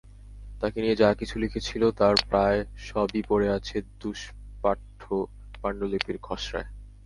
তাঁকে নিয়ে যা-কিছু লিখেছিল তার প্রায় সবই পড়ে আছে দুষ্পাঠ্য পাণ্ডুলিপির খসড়ায়।